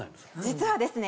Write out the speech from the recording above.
実はですね